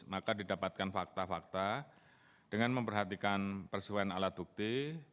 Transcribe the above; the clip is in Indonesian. maka didapatkan fakta fakta dengan memperhatikan persoalan alat bukti